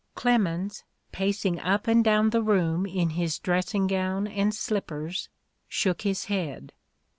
Clemens, pacing up and down the room in his dressing gown and slippers, shook his head.